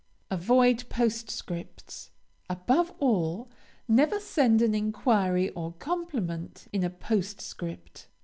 Avoid postscripts. Above all, never send an inquiry or compliment in a postscript.